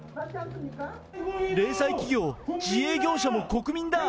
零細企業・自営業者も国民だ。